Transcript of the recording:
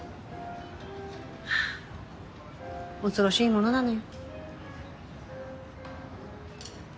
はぁ恐ろしいものなのよ。